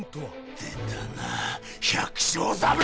出たな百姓侍！